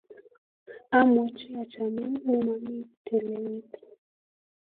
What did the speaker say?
Amuchi achamin ne mami telelet